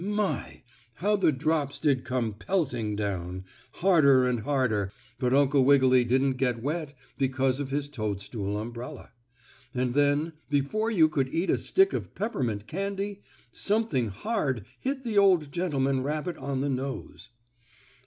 My! how the drops did come pelting down, harder and harder, but Uncle Wiggily didn't get wet because of his toadstool umbrella. And then, before you could eat a stick of peppermint candy, something hard hit the old gentleman rabbit on the nose.